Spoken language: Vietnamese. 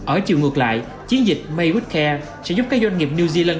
ở chiều ngược lại chiến dịch made with care sẽ giúp các doanh nghiệp new zealand